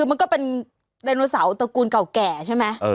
คือมันก็เป็นไดโนเสาร์ตระกูลเก่าแก่ใช่ไหม